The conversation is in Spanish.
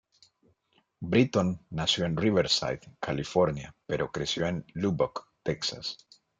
Britton nació en Riverside, California pero creció en Lubbock, Texas.